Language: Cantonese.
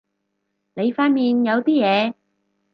你塊面有啲嘢